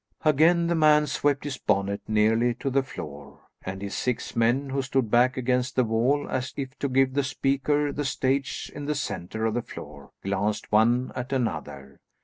Again the man swept his bonnet nearly to the floor, and his six men, who stood back against the wall, as if to give the speaker the stage in the centre of the floor, glanced one at another.